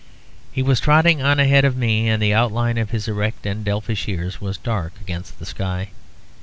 He was trotting on ahead of me, and the outline of his erect and elfish ears was dark against the sky.